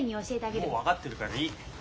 もう分かってるからいい。